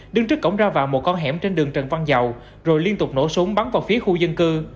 đứng trước cổng ra vào một con hẻm trên đường trần văn dầu rồi liên tục nổ súng bắn vào phía khu dân cư